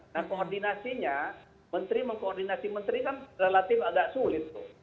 nah koordinasinya menteri mengkoordinasi menteri kan relatif agak sulit tuh